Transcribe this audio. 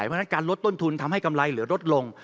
เพราะฉะนั้นการลดต้นทุนทำให้กำไรเหลือลดลง